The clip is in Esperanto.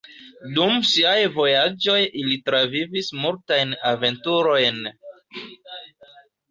Dum siaj vojaĝoj ili travivis multajn aventurojn.